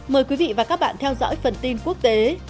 mời quý vị và các bạn theo dõi phần tin quốc tế